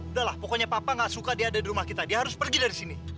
udahlah pokoknya papa gak suka dia ada di rumah kita dia harus pergi dari sini